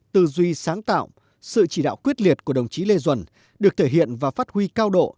tư duy sáng tạo sự chỉ đạo quyết liệt của đồng chí lê duẩn được thể hiện và phát huy cao độ